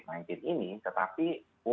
tetapi upayakan jangan terlalu berlebihan